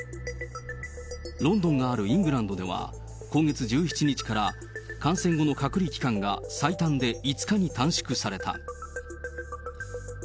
ロンドンがあるイングランドでは、今月１７日から感染後の隔離期間が最短で５日に短縮された。